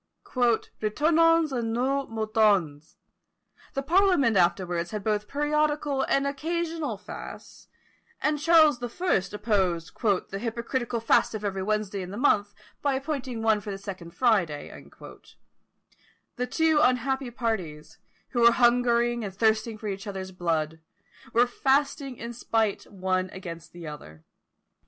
"Retournons à nos moutons!" The parliament afterwards had both periodical and occasional fasts; and Charles the First opposed "the hypocritical fast of every Wednesday in the month, by appointing one for the second Friday;" the two unhappy parties, who were hungering and thirsting for each other's blood, were fasting in spite one against the other!